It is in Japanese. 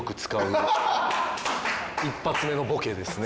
一発目のボケですね。